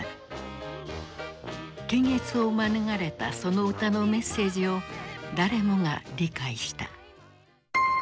検閲を免れたその歌のメッセージを誰もが理解した。